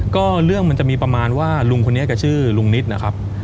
ก็เรื่องมันจะมีประมาณว่าลุงคนนี้แกชื่อลุงนิดนะครับ